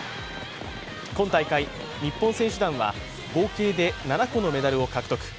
今大会、日本選手団は合計で７個のメダルを獲得。